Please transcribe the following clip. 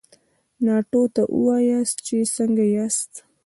ناټو ته ووایاست چې څنګه ياست؟